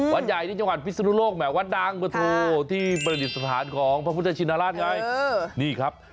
วัดใหญ่ที่จังหวัดพิศนุโลกแหมวัดดังประโทที่ประดิษฐานของพระพุทธชินราชไงนี่ครับ